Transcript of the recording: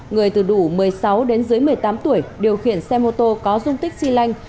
người từ đủ một mươi sáu đến dưới một mươi tám tuổi điều khiển xe mô tô có dung tích xy lanh